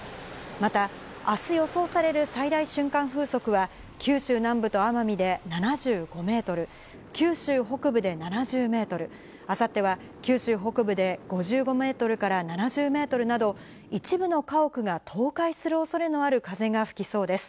また、あす予想される最大瞬間風速は、九州南部と奄美で７５メートル、九州北部で７０メートル、あさっては九州北部で５５メートルから７０メートルなど、一部の家屋が倒壊するおそれのある風が吹きそうです。